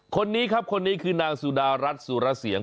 คนนี้ครับคนนี้คือนางสุดารัฐสุรเสียง